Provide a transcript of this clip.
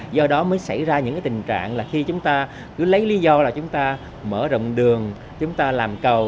do đó mới xảy ra những tình trạng là khi chúng ta cứ lấy lý do là chúng ta mở rộng đường chúng ta làm cầu